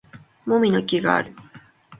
もみの木がある